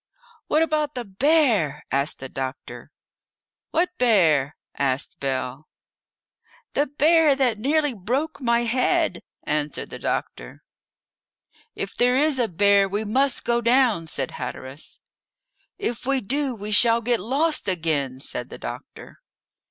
"What about the bear?" asked the doctor. "What bear?" asked Bell. "The bear that nearly broke my head," answered the doctor. "If there is a bear we must go down," said Hatteras. "If we do we shall get lost again," said the doctor.